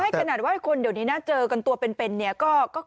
ไม่แขนาดที่คนเดี๋ยวนี้ได้เจอกันตัวเป็นเนี่ยก็ยากนะ